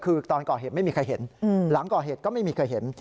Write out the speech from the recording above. คือตอนก่อเหตุไม่มีใครเห็นหลังก่อเหตุก็ไม่มีใครเห็น